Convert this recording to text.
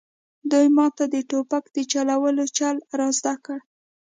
دوی ماته د ټوپک د چلولو چل را زده کړ